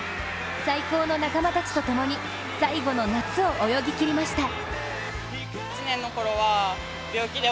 最高の仲間たちとともに最後の夏を泳ぎ切りました。